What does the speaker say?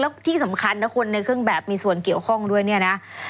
แล้วที่สำคัญนะคนในเครื่องแบบมีส่วนเกี่ยวข้องด้วยเนี่ยนะ